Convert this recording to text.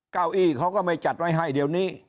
เก้าอี้เขาก็ไม่จัดไว้ให้เดี๋ยวนี้